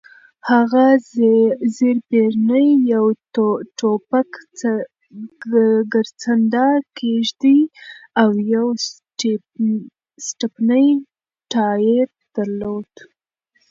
هغه زېرپېرني، یو ټوپک، ګرځنده کېږدۍ او یو سټپني ټایر درلود.